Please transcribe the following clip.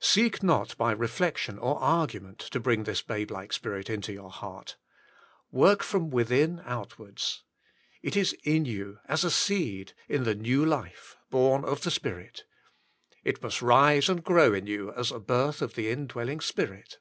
Seek not by reflection or argument to bring this babe like spirit into your heart. "Work from within outwards. It is in you, as a seed, in the new life, born of the Spirit. It must rise and grow in you as a birth of the indwelling Spirit.